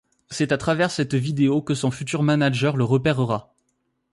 C'est à travers cette vidéo que son futur manager le repérera.